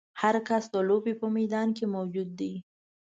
هر کس د لوبې په میدان کې موجود دی.